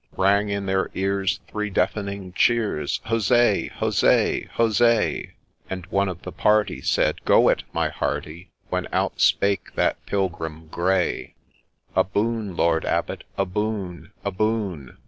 Bang in their ears three deafening cheers, ' Huzza ! huzza ! huzza !' And one of the party said, ' Go it, my hearty !'— When outspake that Pilgrim grey —' A boon, Lord Abbot ! a boon ! a boon